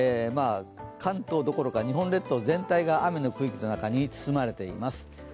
関東どころか日本列島全体が雨の区域の中に包まれています。